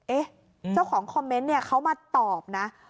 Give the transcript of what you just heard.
เจ้าของคอมเมนต์เนี่ยเขามาตอบนะ